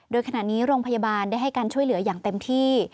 โดยขณะนี้โรงพยาบาลได้ให้การช่วยเหลืออย่างเต็มที่